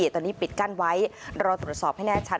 ตอนนี้ปิดกั้นไว้รอตรวจสอบให้แน่ชัด